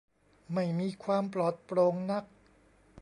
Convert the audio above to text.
ไม่มีความปลอดโปร่งนัก